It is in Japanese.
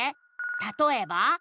「たとえば？」